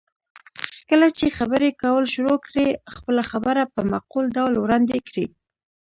کله چې خبرې کول شروع کړئ، خپله خبره په معقول ډول وړاندې کړئ.